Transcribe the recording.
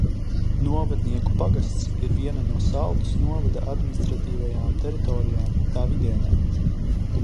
Novadnieku pagasts ir viena no Saldus novada administratīvajām teritorijām tā vidienē.